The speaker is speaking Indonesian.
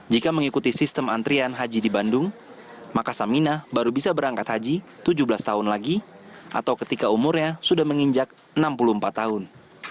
jika mengikuti sistem antrian haji di bandung maka samina baru bisa berangkat haji tujuh belas tahun lagi atau ketika umurnya sudah menginjak enam puluh empat tahun